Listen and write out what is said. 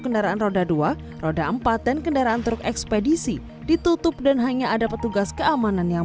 kendaraan roda dua roda empat dan kendaraan truk ekspedisi ditutup dan hanya ada petugas keamanan yang